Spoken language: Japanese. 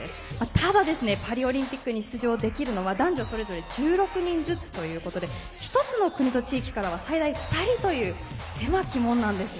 ただ、パリオリンピックに出場できるのは男女それぞれ１６人ずつということで１つの国と地域からは最大２人という狭き門なんですよ。